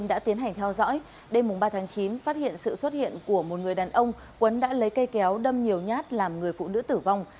đêm ba tháng chín phát hiện sự xuất hiện của một người đàn ông quấn đã lấy cây kéo đâm nhiều nhát làm người phụ nữ tử vong